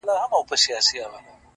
ستا له خندا نه الهامونه د غزل را اوري _